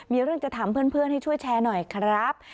มีเรื่องจะถามเพื่อนให้ช่วยแชร์หน่อยครับ